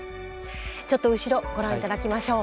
ちょっと後ろご覧いただきましょう。